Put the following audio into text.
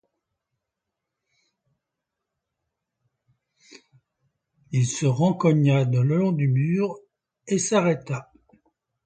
Il se rencogna le long du mur et s’arrêta.